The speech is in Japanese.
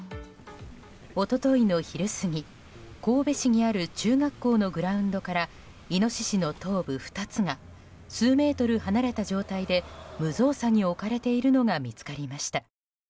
一昨日の昼過ぎ、神戸市にある中学校のグラウンドからイノシシの頭部２つが数メートル離れた状態で無造作に置かれているのが見つかりました。